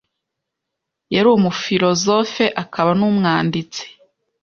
yari umufilozofe akaba n’umwanditsi